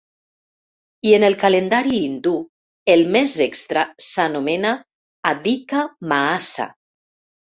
I en el calendari hindú, el mes extra s’anomena ‘adhika maasa’.